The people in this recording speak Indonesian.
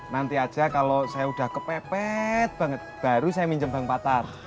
nanti aja kalau saya udah kepepet banget baru saya minjem bank patar